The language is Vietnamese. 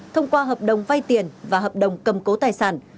thông qua hợp đồng vay tiền và hợp đồng cầm cố tài sản